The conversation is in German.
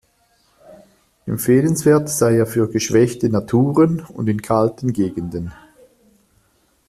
Empfehlenswert sei er für geschwächte Naturen und in kalten Gegenden.